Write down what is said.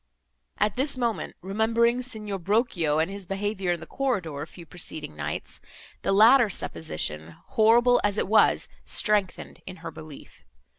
At this moment, remembering Signor Brochio and his behaviour in the corridor, a few preceding nights, the latter supposition, horrible as it was, strengthened in her belief.